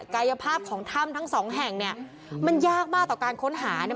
กายภาพของถ้ำทั้งสองแห่งเนี่ยมันยากมากต่อการค้นหาเนี่ย